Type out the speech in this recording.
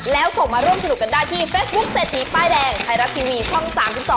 แล้วส่งมาร่วมสนุกกันได้ที่เฟซบุ๊คเศรษฐีป้ายแดงไทยรัฐทีวีช่อง๓๒